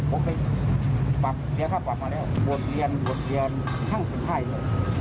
ผมไปปากเดี๋ยวข้าวปากมาแล้วบวชเรียนบวชเรียนทั้งสุดท้ายเลย